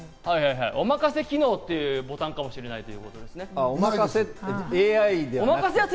おまかせ機能というボタンかもしれないということです。